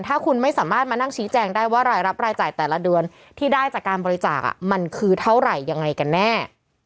ถ้าคุณไม่สามารถมานั่งชี้แจงได้ว่ารายรับรายจ่ายแต่ละเดือนที่ได้จากการบริจาคมันคือเท่าไหร่ยังไงกันแน่